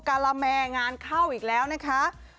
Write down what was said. การาแมงานเข้าอีกแล้วนะคะ